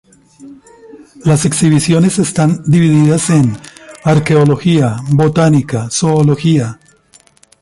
Las exhibiciones están divididas en: Arqueología, Botánica, Zoología.